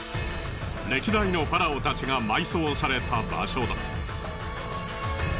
歴代のファラオたちが埋葬された場所だ。